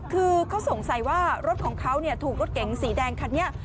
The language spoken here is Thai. คือเขาสงสัยว่ารถของเขาถูกรถเก๋งสีแดงคันนี้